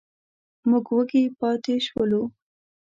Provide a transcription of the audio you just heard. موږ وږي پاتې شولو.